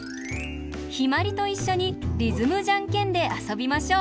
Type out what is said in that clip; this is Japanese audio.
ひまりといっしょにリズムじゃんけんであそびましょう！